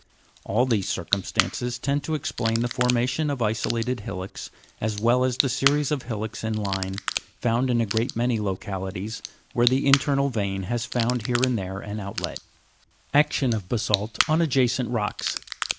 All these circumstances tend to explain the formation of isolated hillocks, as well as the series of hillocks in line, Fi ?' 2 80. F terminating in table. found in a great many localities where the internal vein has found here and there an outlet. 9. diction of basa'lt on adjacent rocks.